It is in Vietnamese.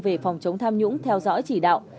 về phòng chống tham nhũng theo dõi chỉ đạo